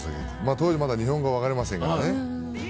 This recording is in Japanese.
当時まだ日本語分かりませんからね